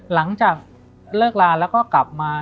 หลังจากเลิกลาแล้วก็กลับมา